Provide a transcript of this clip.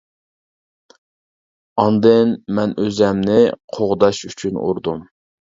ئاندىن مەن ئۆزۈمنى قوغداش ئۈچۈن ئۇردۇم.